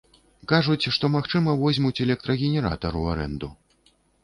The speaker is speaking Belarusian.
Кажуць, што, магчыма, возьмуць электрагенератар ў арэнду.